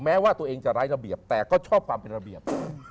แม้ว่าตัวเองจะไร้ระเบียบแต่ก็ชอบความเป็นระเบียบ